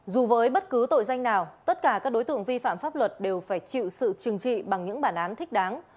dù với bất cứ tội danh nào tất cả các đối tượng vi phạm pháp luật đều phải chịu sự trừng trị bằng những bản án thích đáng